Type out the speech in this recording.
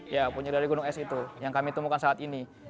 ya puncak dari gunung es itu yang kami temukan saat ini